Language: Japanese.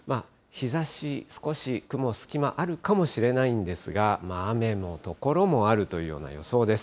日ざし、少し雲、隙間あるかもしれないんですが、雨の所もあるというような予想です。